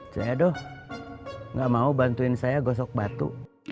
ceedoh gak mau bantuin saya gosok batu